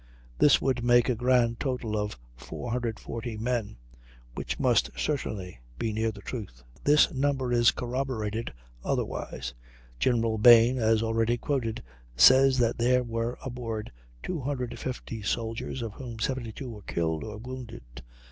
This would make a grand total of 440 men, which must certainly be near the truth. This number is corroborated otherwise: General Bayne, as already quoted, says that there were aboard 250 soldiers, of whom 72 were killed or wounded.